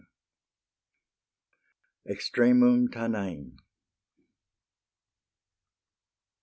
X. EXTREMUM TANAIN.